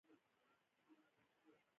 په مرمرین قبر کې پروت دی.